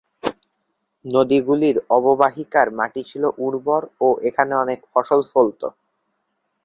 নদীগুলির অববাহিকার মাটি ছিল উর্বর ও এখানে অনেক ফসল ফলত।